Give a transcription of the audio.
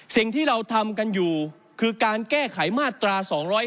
สิ่งที่เราทำกันอยู่คือการแก้ไขมาตรา๒๗